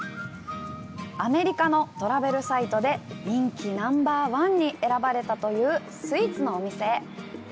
アメリカのトラベルサイトで人気ＮＯ．１に選ばれたというスイーツのお店へ。